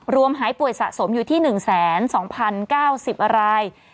หายป่วยสะสมอยู่ที่๑๒๐๙๐ราย